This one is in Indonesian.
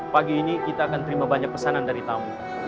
pagi ini kita akan terima banyak pesanan dari tamu